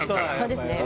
そうですね。